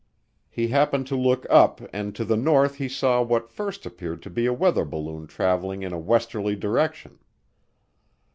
He happened to look up and to the north he saw what first appeared to be a weather balloon traveling in a westerly direction.